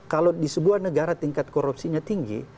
kalau di sebuah negara tingkat korupsinya tinggi